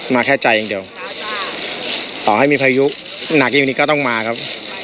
มาแค่ใจอย่างเดียวต่อให้มีพายุหนักอยู่นี้ก็ต้องมาครับ